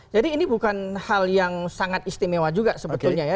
jadi ini bukan hal yang sangat istimewa juga sebetulnya ya